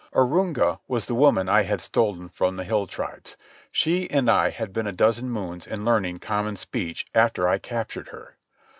Arunga was the woman I had stolen from the hill tribes. She and I had been a dozen moons in learning common speech after I captured her.